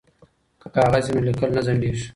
که کاغذ وي نو لیکل نه ځنډیږي.